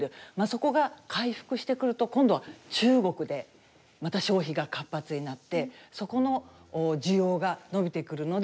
そこが回復してくると今度は中国でまた消費が活発になってそこの需要が伸びてくるので上がるんではないかとかですね。